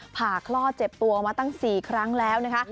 ผ่าคลอดเจ็บตัวมาตั้ง๔ครั้งแล้วนะคะ